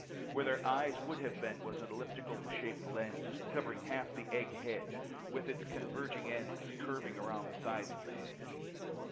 Where their eyes would have been was an elliptical shaped lens, covering half the egg head, with its converging ends curving around the sides of the head.